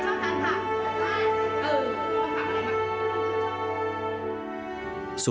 สุวิมลได้รับโอกาสอย่างไม่มีวันสิ้นสุด